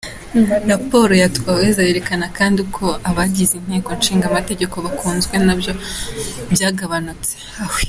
Raporo ya Twaweza yerekana kandi ko uko abagize Inteko Ishinga Amategeko bakunzwe nabyo byagabanutse.